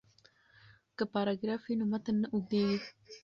که پاراګراف وي نو متن نه اوږدیږي.